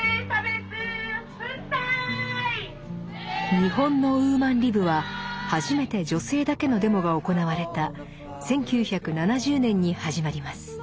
日本のウーマン・リブは初めて女性だけのデモが行われた１９７０年に始まります。